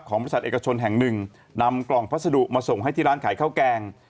บริษัทเอกชนแห่งหนึ่งนำกล่องพัสดุมาส่งให้ที่ร้านขายข้าวแกง